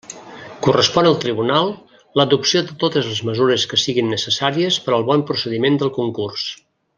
Correspon al tribunal l'adopció de totes les mesures que siguen necessàries per al bon procediment del concurs.